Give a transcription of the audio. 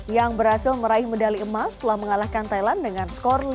yang berhasil meraih medali emas setelah mengalahkan thailand dengan skor lima